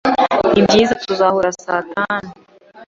Nibyiza, tuzahura saa tanu.